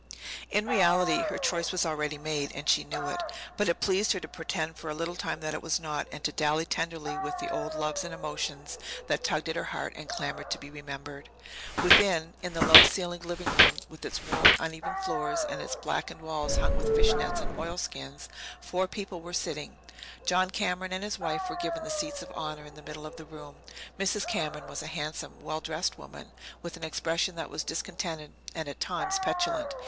In reality, her choice was already made, and she knew it. But it pleased her to pretend for a little time that it was not, and to dally tenderly with the old loves and emotions that tugged at her heart and clamoured to be remembered. Within, in the low ceilinged living room, with its worn, uneven floor and its blackened walls hung with fish nets and oilskins, four people were sitting. John Cameron and his wife were given the seats of honour in the middle of the room. Mrs. Cameron was a handsome, well dressed woman, with an expression that was discontented and, at times, petulant.